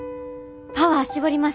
パワー絞ります。